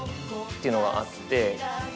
っていうのがあって。